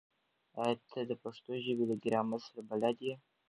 ایا ته د پښتو ژبې له ګرامر سره بلد یې؟